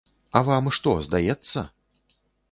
А вам што, здаецца?